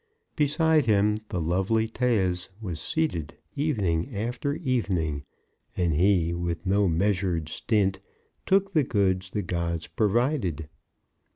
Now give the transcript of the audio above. Beside him the lovely Thais was seated evening after evening; and he, with no measured stint, took the goods the gods provided.